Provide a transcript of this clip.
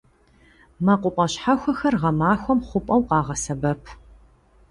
МэкъупӀэ щхьэхуэхэр гъэмахуэм хъупӀэу къагъэсэбэп.